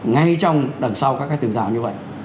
ngay trong đằng sau các cái tường rào như vậy